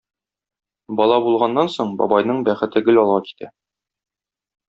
Бала булганнан соң, бабайның бәхете гел алга китә.